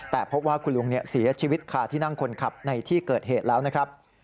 แต่พบว่าคุณลุงเสียชีวิตคาที่นั่งคนขับในที่เกิดเหตุแล้วนะครับ